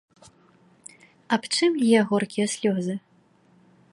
Аб чым лье горкія слёзы?